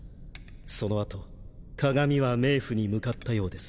その後鏡は冥府に向かったようです。